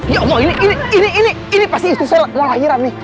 ya allah ini ini ini ini pasti istri saya mau lahiran nih